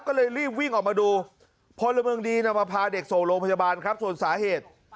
ก็เลยรีบวิ่งออกมาดูพลเมืองดีนำมาพาเด็กส่งโรงพยาบาลครับส่วนสาเหตุ